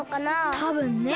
たぶんね。